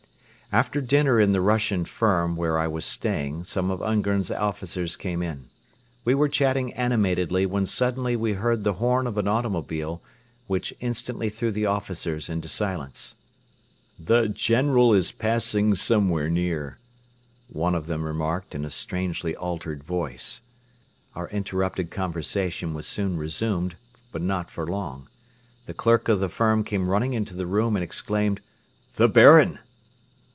After dinner in the Russian firm where I was staying some of Ungern's officers came in. We were chatting animatedly when suddenly we heard the horn of an automobile, which instantly threw the officers into silence. "The General is passing somewhere near," one of them remarked in a strangely altered voice. Our interrupted conversation was soon resumed but not for long. The clerk of the firm came running into the room and exclaimed: "The Baron!"